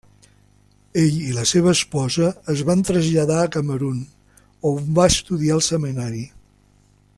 Ell i la seva esposa es van traslladar a Camerun, on va estudiar al seminari.